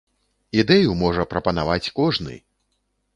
Ідэю можа прапанаваць кожны!